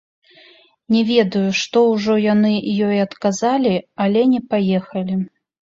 Не ведаю, што ўжо яны ёй адказалі, але не паехалі.